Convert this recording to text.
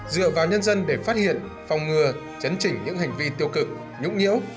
dựa vào nhân dân để phát hiện phòng ngừa chấn chỉnh những hành vi tiêu cực nhũng nhiễu